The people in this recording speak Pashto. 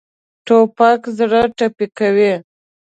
توپک زړه ټپي کوي.